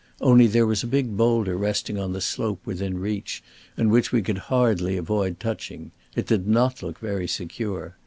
Only there was a big boulder resting on the slope within reach, and which we could hardly avoid touching. It did not look very secure.